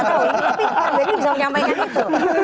tapi prof denny bisa menyampaikan itu